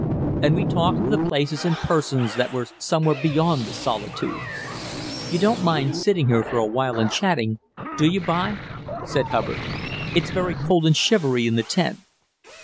And we talked of the places and persons that were somewhere beyond the solitudes. "You don't mind sitting here for a while and chatting, do you, b'y?" said Hubbard. "It's very cold and shivery in the tent."